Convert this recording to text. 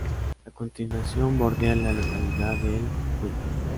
A continuación, bordea la localidad de El Puig.